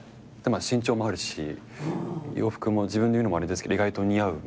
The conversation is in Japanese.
身長もあるし洋服も自分で言うのもあれですけど意外と似合うので。